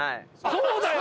そうだよ！